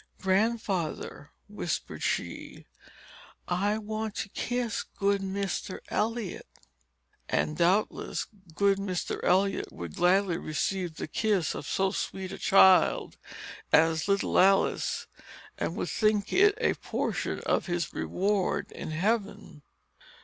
"Grandfather," whispered she, "I want to kiss good Mr. Eliot!" And, doubtless, good Mr. Eliot would gladly receive the kiss of so sweet a child as little Alice, and would think it a portion of his reward in heaven.